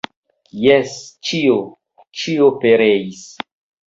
Jes, ĉio, ĉio pereis.